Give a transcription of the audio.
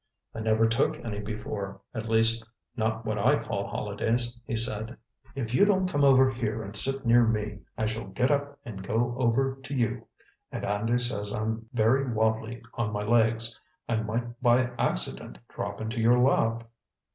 "I never took any before; at least, not what I call holidays," he said. "If you don't come over here and sit near me, I shall get up and go over to you. And Andy says I'm very wobbly on my legs. I might by accident drop into your lap."